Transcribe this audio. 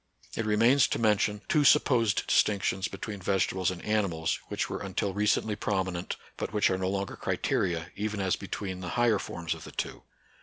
It remains to mention two supposed distinc tions between vegetables and animals which were until recently prominent, but which are no longer criteria, even as between the higher forms of the two.